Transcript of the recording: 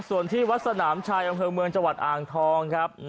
ส่วนที่วัดสนามชายอำเภอเมืองจังหวัดอ่างทองครับ